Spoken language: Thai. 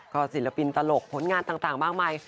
ก็ศิลปินตลกผลงานต่างมากมาย